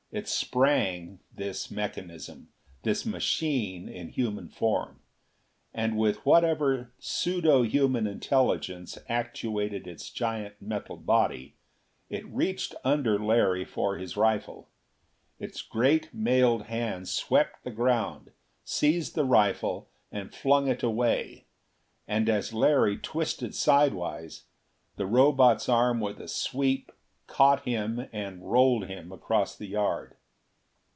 It sprang this mechanism! this machine in human form! And, with whatever pseudo human intelligence actuated its giant metal body, it reached under Larry for his rifle! Its great mailed hand swept the ground, seized the rifle and flung it away. And as Larry twisted sidewise, the Robot's arm with a sweep caught him and rolled him across the yard.